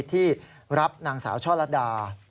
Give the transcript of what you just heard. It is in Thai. ที่รับนางสาวโชฟระดา